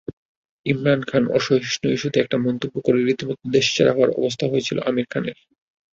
ইমরান খানঅসহিষ্ণু ইস্যুতে একটা মন্তব্য করে রীতিমতো দেশছাড়া হওয়ার অবস্থা হয়েছিল আমির খানের।